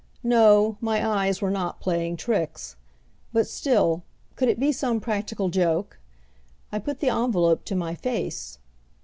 No, my eyes were not playing tricks. But still, could it be some practical joke? I put the envelope to my face.